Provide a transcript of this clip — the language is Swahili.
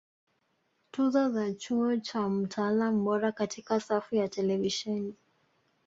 Tuzo za Chuo cha Mtaalam Bora Katika safu ya Televisheni